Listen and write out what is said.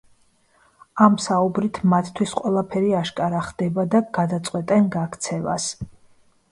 ამ საუბრით მათთვის ყველაფერი აშკარა ხდება და გადაწყვეტენ გაქცევას.